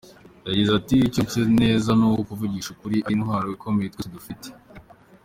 Yagize ati “Icyo nzi neza ni uko kuvugisha ukuri ari intwaro ikomeye twese dufite.